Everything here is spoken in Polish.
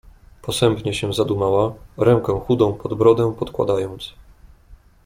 "Posępnie się zadumała, rękę chudą pod brodę podkładając."